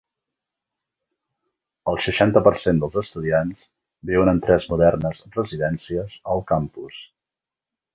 El seixanta per cent dels estudiants viuen en tres modernes residències al campus.